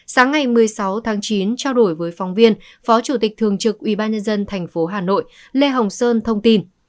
sáng ngày một mươi sáu tháng chín trao đổi với phóng viên phó chủ tịch thường trực ubnd tp hà nội lê hồng sơn thông tin